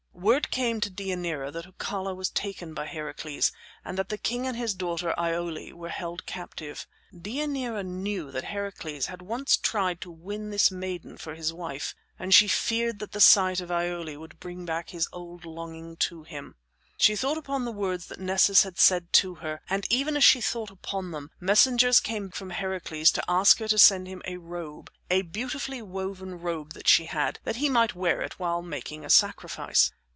Word came to Deianira that Oichalia was taken by Heracles, and that the king and his daughter Iole were held captive. Deianira knew that Heracles had once tried to win this maiden for his wife, and she feared that the sight of Iole would bring his old longing back to him. She thought upon the words that Nessus had said to her, and even as she thought upon them messengers came from Heracles to ask her to send him a robe a beautifully woven robe that she had that he might wear it while making a sacrifice.